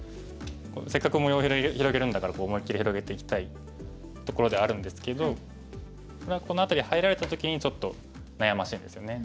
せっかく模様広げるんだから思いっきり広げていきたいところではあるんですけどこれはこの辺り入られた時にちょっと悩ましいんですよね。